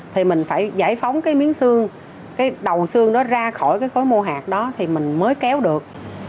thì mình phải giải phóng cái miếng xương cái đầu xương đó ra khỏi cái khối mô hạt đó thì mình mới kéo được